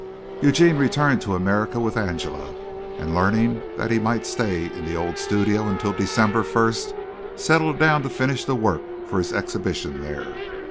Eugene returned to America with Angela, and learning that he might stay in the old studio until December first, settled down to finish the work for his exhibition there.